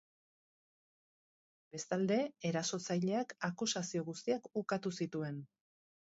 Bestalde, erasotzaileak akusazio guztiak ukatu zituen.